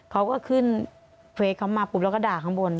เขาก็ขึ้นเฟสเขามาปุ๊บแล้วก็ด่าข้างบน